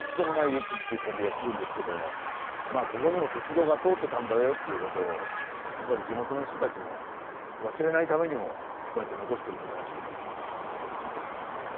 駅っていう感じがするんですけどもまあここにも鉄道が通ってたんだよっていうことをやっぱり地元の人たちも忘れないためにもこうやって残してるんじゃないでしょうかねはい。